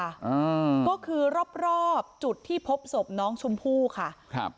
อ่าก็คือรอบรอบจุดที่พบศพน้องชมพู่ค่ะครับ